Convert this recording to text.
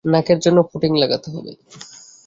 নাকের জন্য পুটিং লাগাতে হবে।